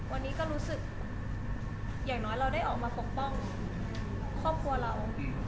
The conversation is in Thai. วันนี้ก็รู้สึกอย่างน้อยเราได้ออกมาปกป้องครอบครัวเรา